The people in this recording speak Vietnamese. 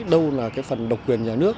đâu là phần độc quyền nhà nước